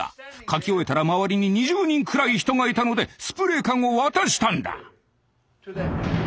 書き終えたら周りに２０人くらい人がいたのでスプレー缶を渡したんだ。